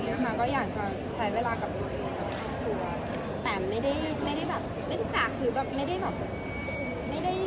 อยากจะใช้เวลากับฮัวไม่ได้จักรไม่ได้ปิดค่อยไป